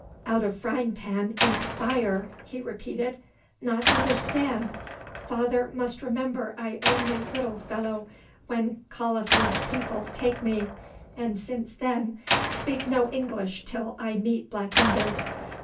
"Out of frying pan into fire," he repeated. "Not understand; father must remember I only little fellow when Khalifa's people take me, and since then speak no English till I meet Black Windows.